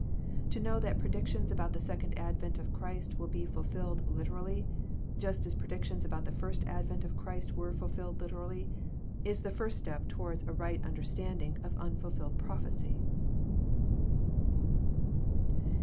To know that predictions about the second advent of Christ will be fulfilled literally, Just as predictions about the first advent of Christ were ful filled literally, is the first step towards a right understand* ing of unfulfilled prophecy.